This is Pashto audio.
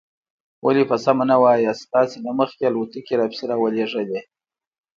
ولې په سمه نه وایاست؟ تاسې له مخکې الوتکې را پسې را ولېږلې.